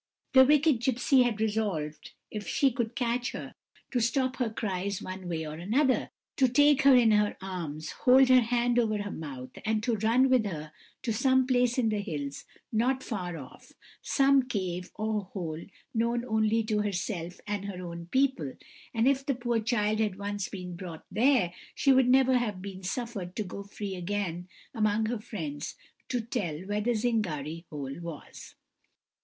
The wicked gipsy had resolved, if she could catch her, to stop her cries one way or another; to take her in her arms, hold her hand over her mouth, and to run with her to some place in the hills, not far off, some cave or hole known only to herself and her own people; and if the poor child had once been brought there, she would never have been suffered to go free again among her friends to tell where the zingari hole was.